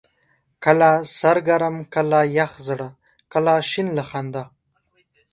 کله سر ګرم ، کله يخ زړه، کله شين له خندا